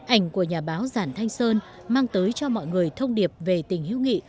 ảnh của nhà báo giản thanh sơn mang tới cho mọi người thông điệp về tình hữu nghị